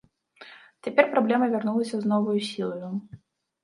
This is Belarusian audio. Цяпер праблема вярнулася з новаю сілаю.